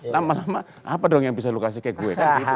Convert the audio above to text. lama lama apa dong yang bisa lo kasih kayak gue